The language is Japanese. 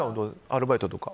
アルバイトとか。